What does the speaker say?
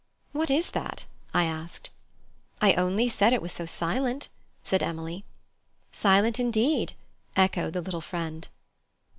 "What is that?" I asked. "I only said it was so silent," said Emily. "Silent, indeed," echoed the little friend.